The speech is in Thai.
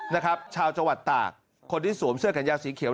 นะครับชาวจังหวัดตากคนที่สวมเสื้อแขนยาวสีเขียว